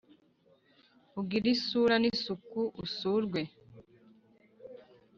ugire isura n’isuku usurwe